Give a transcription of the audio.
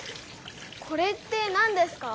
これってなんですか？